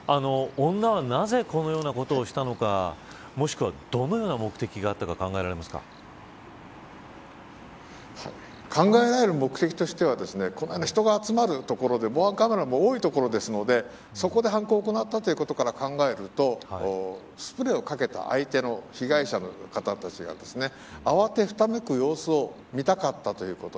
女はなぜこのようなことをしたのかもしくは、どのような目的が考えられる目的としてはこのように人が集まる所で防犯カメラも多い所ですのでそこで犯行を行ったことから考えるとスプレーをかけた相手の被害者の方たちが慌てふためく様子を見たかったということ。